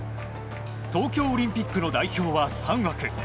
東京オリンピックの代表は３枠。